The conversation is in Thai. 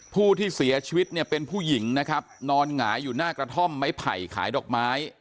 ผู้ที่เสียชีวิตเนี่ยเป็นผู้หญิงนะครับนอนหงายอยู่หน้ากระท่อมไม้ไผ่ขายดอกไม้